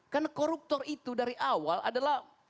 karena koruptor itu dari awal adalah